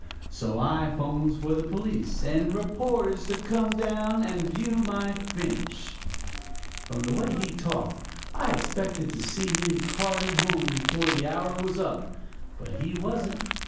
So I 'phones for the police and reporters to come down and view my finish.' "From the way he talked I expected to see him carted home before the hour was up; but he wasn't.